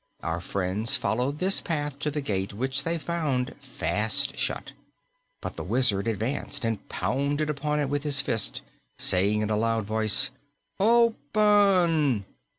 Our friends followed this path to the gate, which they found fast shut. But the Wizard advanced and pounded upon it with his fist, saying in a loud voice, "Open!"